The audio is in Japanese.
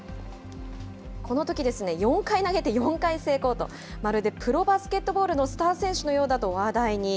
このとき、４回投げて、４回成功と、まるでプロバスケットボールのスター選手のようだと話題に。